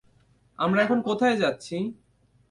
আমরা এখন কোথায় যাচ্ছি?